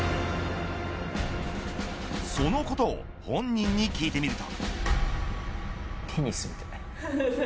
そのことを本人に聞いてみると。